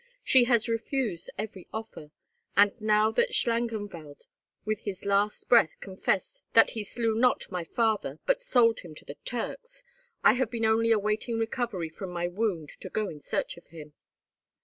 She has refused every offer; and, now that Schlangenwald with his last breath confessed that he slew not my father, but sold him to the Turks, I have been only awaiting recovery from my wound to go in search of him."